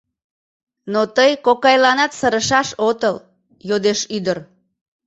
Но тый кокайланат сырышаш отыл! — йодеш ӱдыр.